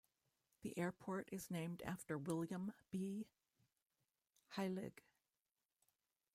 The airport is named after William B. Heilig.